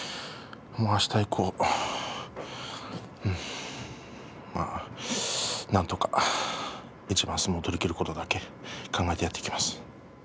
明日以降もなんとか一番一番相撲を取りきることだけ考えてやっていきます。